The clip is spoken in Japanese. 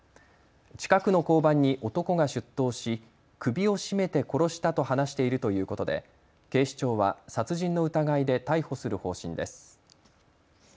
近くの交番に男が出頭し首を絞めて殺したと話しているということで、警視庁は殺人の疑いで逮捕する方針です。